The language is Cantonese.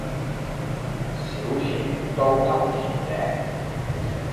少甜都咁甜嘅？